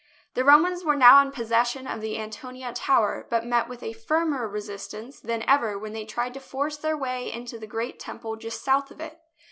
The Romans were now in possession of the An tonia Tower, but met with a firmer resistance than ever when they tried to force their way into the great Temple just south of it.